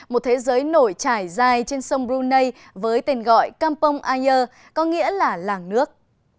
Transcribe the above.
một thế giới nổi trải dài trên sông brunei với tên gọi campong air có nghĩa là làng nước